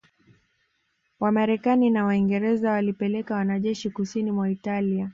Wamarekani na Waingereza walipeleka wanajeshi Kusini mwa Italia